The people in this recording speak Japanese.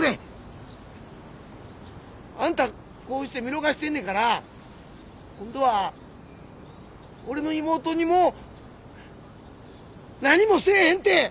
あんたこうして見逃してんねんから今度は俺の妹にも何もせえへんて約束してもらわれへんか！？